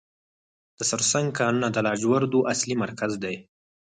د سرسنګ کانونه د لاجوردو اصلي مرکز دی.